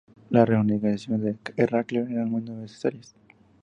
Las reorganizaciones de Heraclio eran muy necesarias.